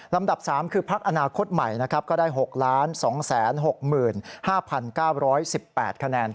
ลำดับ๓คือภักร์อนาคตใหม่ได้๖๒๖๕๙๑๘คะแนน